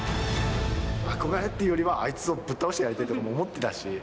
憧れっていうよりは、あいつをぶっ倒してやりたいと思ってたし。